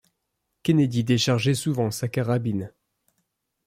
Kennedy déchargeait souvent sa carabine.